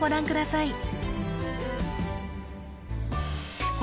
ください